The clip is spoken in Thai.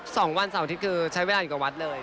สองวันเสาร์อาทิตย์คือใช้เวลาอยู่กับวัดเลย